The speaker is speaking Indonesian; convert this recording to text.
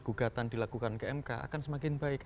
gugatan dilakukan ke mk akan semakin baik